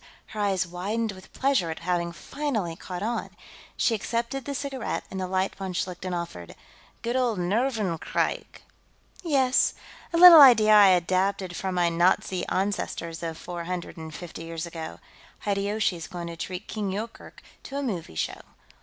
Her eyes widened with pleasure at having finally caught on; she accepted the cigarette and the light von Schlichten offered. "Good old nervenkrieg!" "Yes. A little idea I adapted from my Nazi ancestors of four hundred and fifty years ago. Hideyoshi's going to treat King Yoorkerk to a movie show.